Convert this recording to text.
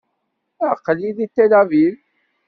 Aql-i deg Tel Aviv.